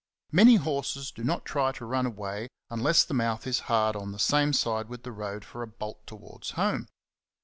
Many horses do not try to run away unless the mouth is hard on the same side with the road for a bolt towards home.